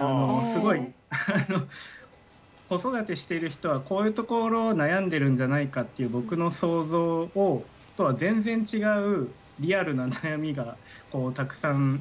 すごいあの子育てしてる人はこういうところ悩んでるんじゃないかっていう僕の想像とは全然違う今村さん。